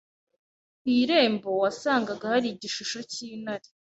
Ku irembo wasangaga hari igishusho cy'intare.